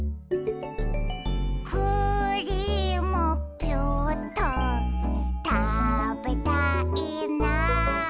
「クリームピューっとたべたいな」